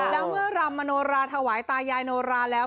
แล้วเมื่อรำมโนราถวายตายายโนราแล้ว